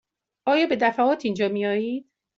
آیا به دفعات اینجا می آیید؟